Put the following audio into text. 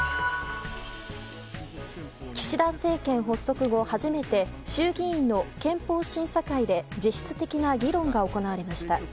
岸田政権発足後、初めて衆議院の憲法審査会で実質的な議論が行われました。